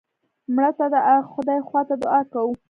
مړه ته د خدای خوا ته دعا کوو